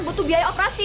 butuh biaya operasi